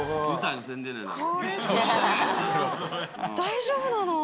大丈夫なの？